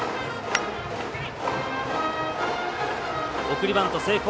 送りバント成功。